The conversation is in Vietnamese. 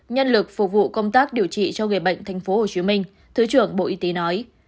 nhân lực phục vụ công tác điều trị cho người bệnh tp hcm thứ trưởng bộ y tế nói